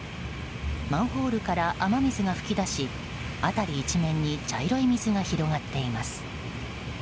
マンホールから雨水が噴き出し辺り一面に茶色い水が広がっています。